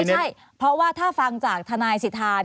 ไม่ใช่เพราะว่าถ้าฟังจากทนายสิทธา